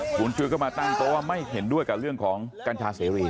คุณจุ๊ดก็มาตั้งโต๊ะว่าไม่เห็นด้วยกับเรื่องของกัญชาเสรี